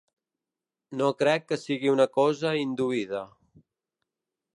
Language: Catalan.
No crec que sigui una cosa induïda.